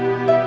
ya udah deh